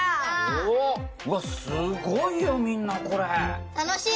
うわー、すごいよみんな、楽しい！